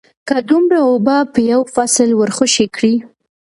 که دومره اوبه په یو فصل ورخوشې کړې